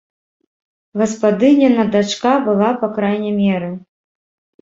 Гаспадыніна дачка была па крайняй меры!